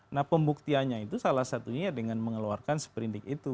nah pembuktiannya itu salah satunya dengan mengeluarkan seperindik itu